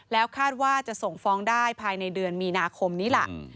แล้วคาดว่าจะส่งฟ้องได้ภายในเดือนมีนาคมนี้ล่ะ